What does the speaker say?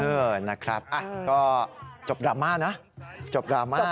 เออนะครับก็จบดราม่านะจบดราม่า